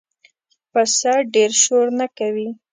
پسه ډېره شور نه کوي.